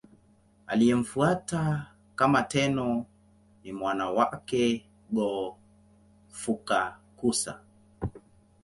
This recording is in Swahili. Aliyemfuata kama Tenno ni mwana wake Go-Fukakusa.